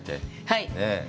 はい。